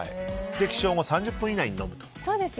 起床後３０分以内に飲むと。